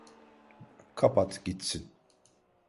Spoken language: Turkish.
Kapat gitsin.